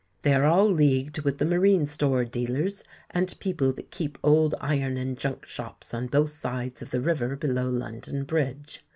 They are all leagued with the marine store dealers and people that keep old iron and junk shops on both sides of the river below London bridge.